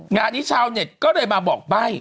งานนี้ชาวเน็ตก็เลยมาบอกใบ้